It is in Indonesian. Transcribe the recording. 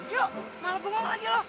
yuk malem malem lagi lo